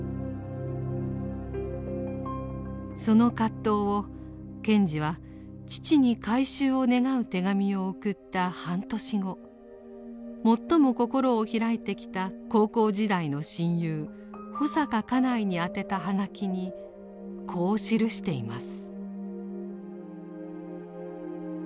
その葛藤を賢治は父に改宗を願う手紙を送った半年後最も心を開いてきた高校時代の親友保阪嘉内に宛てた葉書にこう記しています。